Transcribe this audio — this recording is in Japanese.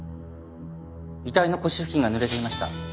遺体の腰付近が濡れていました。